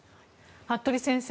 服部先生